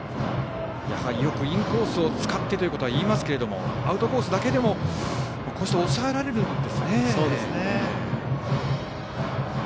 よく、インコースを使ってということは言いますがアウトコースだけでもこうして抑えられるんですね。